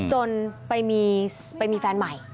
จนไปมีแฟนใหม่